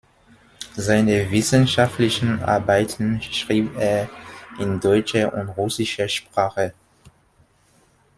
Seine wissenschaftlichen Arbeiten schrieb er in deutscher und russischer Sprache.